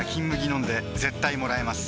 飲んで絶対もらえます